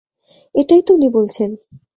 এটাই তো উনি বলছেন!